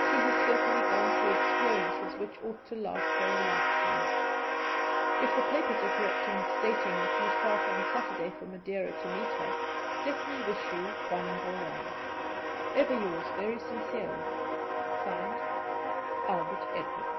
She has certainly gone through experiences which ought to last her a lifetime! If the papers are correct in stating that you start on Saturday for Madeira to meet her, let me wish you bon voyage. "Ever yours very sincerely, "(Signed) ALBERT EDWARD."